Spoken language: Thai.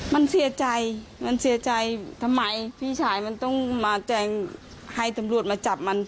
มันเสียใจมันเสียใจทำไมพี่ชายมันต้องมาแจ้งให้ตำรวจมาจับมัน